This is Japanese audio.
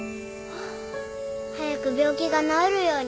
早く病気が治るように。